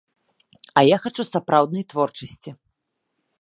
А я хачу сапраўднай творчасці.